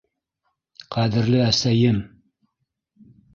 Ҡәҙерле әсәйем!